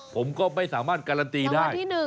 ผมก็ไม่สามารถการันตีได้